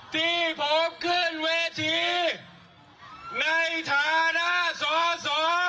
ที่ผมขึ้นเวทีในฐานะสอสอ